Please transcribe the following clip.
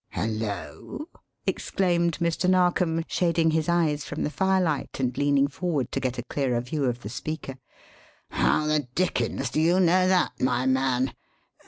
"Hullo!" exclaimed Mr. Narkom, shading his eyes from the firelight and leaning forward to get a clearer view of the speaker. "How the dickens do you know that, my man?